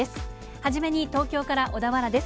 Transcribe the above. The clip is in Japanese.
初めに東京から小田原です。